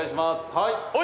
はい！